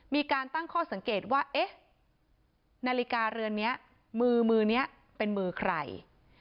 มีการตั้งข้อสังเกตว่าเอ๊ะนาฬิกาเรือนนี้มือนี้เป็นมือใคร